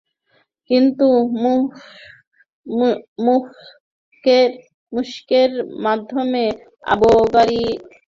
কিন্তু মূসকের মাধ্যমে আবগারি শুল্কের কর ভিত্তি সর্বনিম্ন পর্যায়ে নিয়ে আসা হয়।